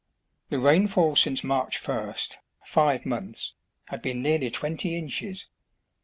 The rainfall since March first, five months, had been nearly twenty inches.